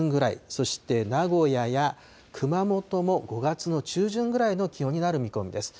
そして、名古屋や熊本も５月の中旬ぐらいの気温になる見込みです。